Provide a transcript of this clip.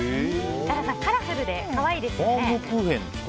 設楽さん、カラフルで可愛いですよね。